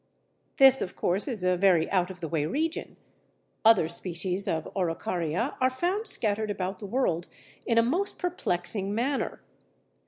This of course is a very out of the way region; other species of Araucaria are found scattered about the world in a most perplexing manner.